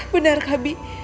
benar kak ibu